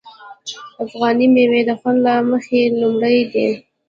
افغاني میوې د خوند له مخې لومړی دي.